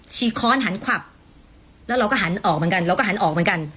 ค้อนหันขวับแล้วเราก็หันออกเหมือนกันเราก็หันออกเหมือนกัน